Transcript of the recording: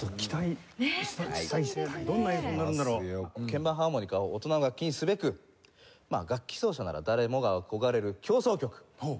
鍵盤ハーモニカを大人の楽器にすべく楽器奏者なら誰もが憧れる協奏曲